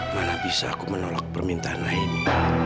mana bisa aku menolak permintaan lainnya